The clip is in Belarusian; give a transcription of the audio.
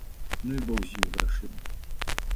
Ну і бог з імі, грашыма.